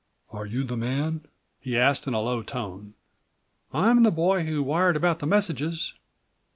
"Are you the man?" he asked in a low tone. "I'm the boy who wired about the messages."